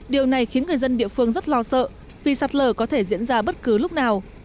điều này khiến người dân địa phương rất lo sợ vì sạt lở có thể diễn ra bất cứ lúc nào